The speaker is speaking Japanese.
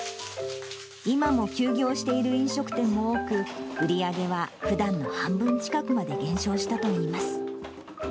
今も休業している飲食店も多く、売り上げはふだんの半分近くまで減少したといいます。